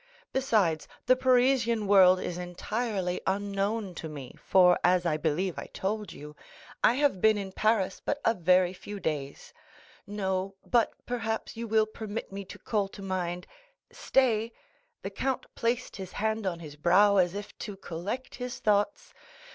Besides, the Parisian world is entirely unknown to me, for, as I believe I told you, I have been in Paris but very few days. No,—but, perhaps, you will permit me to call to mind—stay!" The Count placed his hand on his brow as if to collect his thoughts.